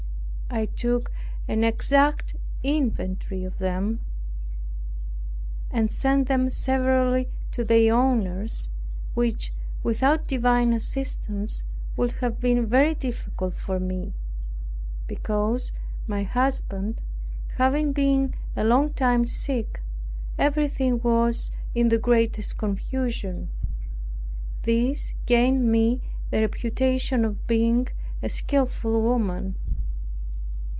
I took an exact inventory of them, and sent them severally to their owners, which, without divine assistance, would have been very difficult for me; because, my husband having been a long time sick, everything was in the greatest confusion. This gained me the reputation of being a skillful woman.